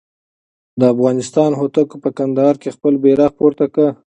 د افغانستان هوتکو په کندهار کې خپل بیرغ پورته کړ.